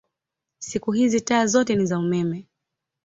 Siku hizi taa zote ni za umeme.